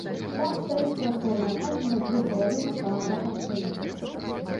Там стаіць прасторная хата на дзве палавіны паабапал сянец.